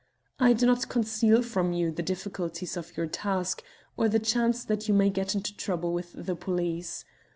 I do not conceal from you the difficulties of your task, or the chance that you may get into trouble with the police.